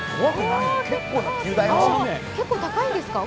結構高いんですか？